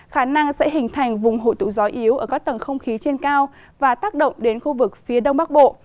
khả năng sẽ hình thành vùng hội tụ gió yếu ở các tầng không khí trên cao và tác động đến khu vực phía đông bắc bộ